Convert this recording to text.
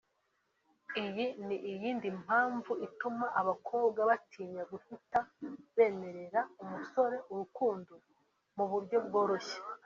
Iyi ni iyindi mpamvu ituma abakobwa batinya guhita bemerera umusore urukundo mu buryo bworoshye